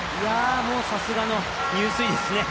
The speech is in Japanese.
もう、さすがの入水ですね。